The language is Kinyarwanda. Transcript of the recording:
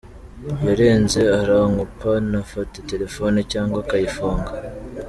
yarenze arankupa ntafate telephone cyangwa akayifunga.